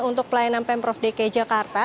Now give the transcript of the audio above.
untuk pelayanan pemprov dki jakarta